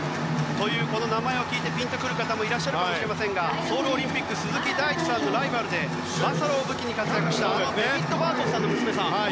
この名前を聞いてピンと来る方もいるかもしれませんがソウルオリンピック鈴木大地さんのライバルでバサロを武器に活躍したお父さんの娘さんです。